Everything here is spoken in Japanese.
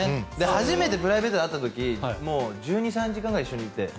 初めてプライベートで会った時に１２１３時間ぐらい一緒にいて。